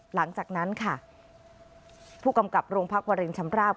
หลังจากนั้นค่ะผู้กำกับโรงพักวารินชำราบ